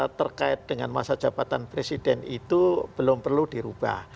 karena terkait dengan masa jabatan presiden itu belum perlu dirubah